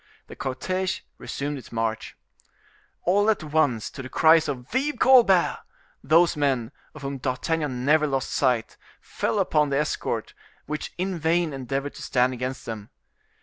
The cortege resumed its march. All at once, to cries of "Vive Colbert!" those men, of whom D'Artagnan never lost sight, fell upon the escort, which in vain endeavored to stand against them.